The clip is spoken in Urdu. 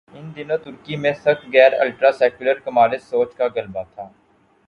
ان دنوں ترکی میں سخت گیر الٹرا سیکولر کمالسٹ سوچ کا غلبہ تھا۔